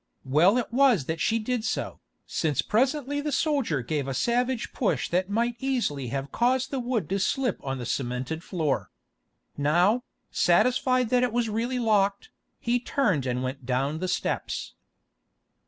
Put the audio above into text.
Well it was that she did so, since presently the soldier gave a savage push that might easily have caused the wood to slip on the cemented floor. Now, satisfied that it was really locked, he turned and went down the steps.